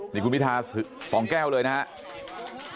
นี่คุณพิทา๒แก้วเลยนะครับ